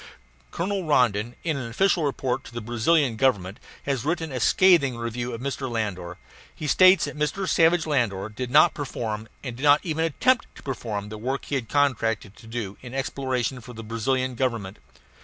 Colonel Rondon, in an official report to the Brazilian Government, has written a scathing review of Mr. Landor. He states that Mr. Savage Landor did not perform, and did not even attempt to perform, the work he had contracted to do in exploration for the Brazilian Government.